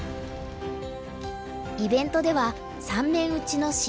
イベントでは３面打ちの指導碁。